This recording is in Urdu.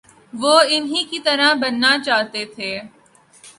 وہ انہی کی طرح بننا چاہتے تھے۔